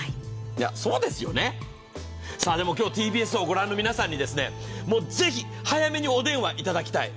そうですよね、さあ、でもＴＢＳを御覧の皆さんに、もうぜひ早めにお電話いただきたい。